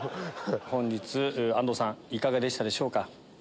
本日安藤さんいかがでしたでしょうか？